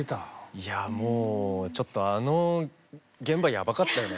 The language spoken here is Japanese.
いやもうちょっとあの現場やばかったよね。